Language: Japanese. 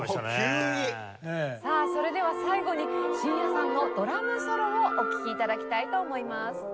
それでは最後に真矢さんの『ドラムソロ』をお聴き頂きたいと思います。